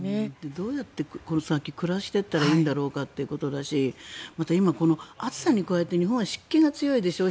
どうやって、この先暮らしていったらいいんだろうということだしまた今、暑さに加えて日本は湿気が多いでしょう。